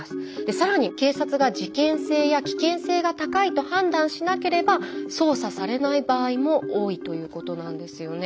更に警察が事件性や危険性が高いと判断しなければ捜査されない場合も多いということなんですよね。